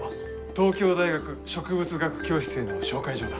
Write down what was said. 東京大学植物学教室への紹介状だ。